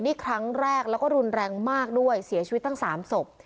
นี่ครั้งแรกแล้วก็รุนแรงมากด้วยเสียชีวิตตั้ง๓ศพ